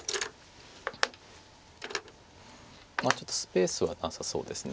ちょっとスペースはなさそうです。